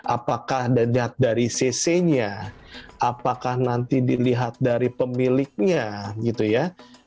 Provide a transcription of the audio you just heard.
apakah dari cc nya apakah nanti dilihat dari pemiliknya gitu ya